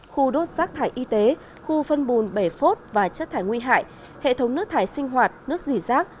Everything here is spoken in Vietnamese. khu đốt rác thải y tế khu phân bùn bể phốt và chất thải nguy hại hệ thống nước thải sinh hoạt nước dỉ rác